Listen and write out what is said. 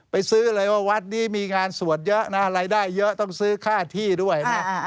ซื้อเลยว่าวัดนี้มีงานสวดเยอะนะรายได้เยอะต้องซื้อค่าที่ด้วยนะ